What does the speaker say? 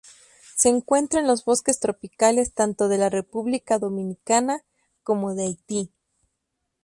Se encuentra en los bosques tropicales tanto de la República Dominicana como de Haití.